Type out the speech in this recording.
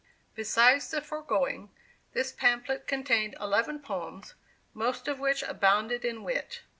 Besides the foregoing, this pamphlet contained eleven poems, most of which abounded in wit.